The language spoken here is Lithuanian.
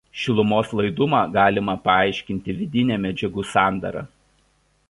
Šilumos laidumą galima paaiškinti vidine medžiagų sandara.